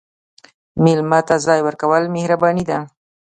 مېلمه ته ځای ورکول مهرباني ده.